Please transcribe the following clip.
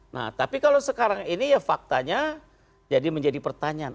nah tapi kalau sekarang ini ya faktanya jadi menjadi pertanyaan